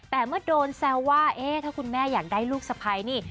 แต่เมื่อโดนแซวว่าเอ๊ะถ้าคุณแม่อยากได้ลูกสะพ้ายนี่